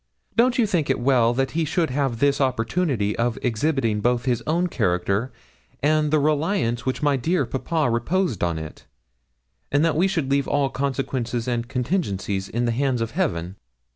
Don't you think it well that he should have this opportunity of exhibiting both his own character and the reliance which my dear papa reposed on it, and that we should leave all consequences and contingencies in the hands of Heaven?'